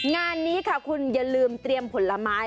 งานนี้ค่ะคุณอย่าลืมเตรียมผลไม้